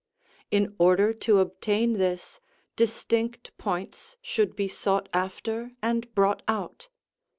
In order to obtain this, distinct points should be sought after and brought out.